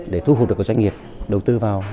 để thú hút được cái doanh nghiệp đầu tư vào